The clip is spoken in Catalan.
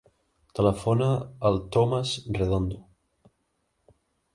Telefona al Thomas Redondo.